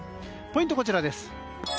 ポイントはこちらです。